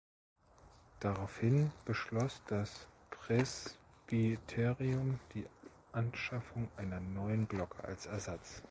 Daraufhin beschloss das Presbyterium die Anschaffung einer neuen Glocke als Ersatz.